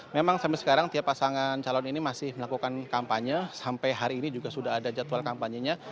memang sampai sekarang tiap pasangan calon ini masih melakukan kampanye sampai hari ini juga sudah ada jadwal kampanye nya